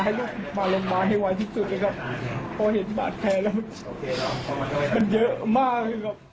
ให้ลูกมาลงบ่ายใจให้วันที่สุดพอเห็นบาดแผลแล้วมันเยอะมาก